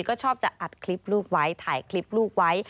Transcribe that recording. ก็ชอบจะอัดคลิปลูกไว้ถ่ายคลิปลูกไว้